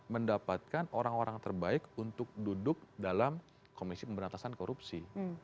mendapatkan orang orang terbaik untuk duduk dalam komisi pemberantasan korupsi